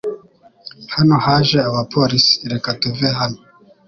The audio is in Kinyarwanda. Hano haje abapolisi .Reka tuve hano .